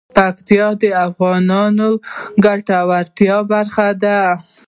پکتیا د افغانانو د ګټورتیا برخه ده.